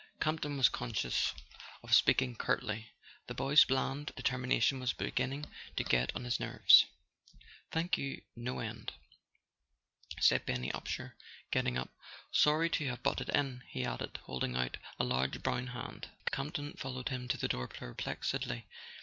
Campton was conscious of speaking curtly: the boy's bland determination was beginning to get on his nerves. "Thank you no end," said Benny Upsher, getting up. "Sorry to have butted in," he added, holding out a large brown hand. Campton followed him to the door perplexedly.